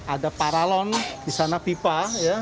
ada paralon di sana vipa ya